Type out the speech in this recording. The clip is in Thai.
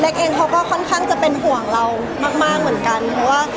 เองเขาก็ค่อนข้างจะเป็นห่วงเรามากมากเหมือนกันเพราะว่า